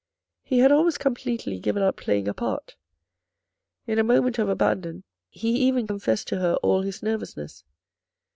He had almost completely given up playing a part. In a moment of abandon, he even confessed to her all his nervousness.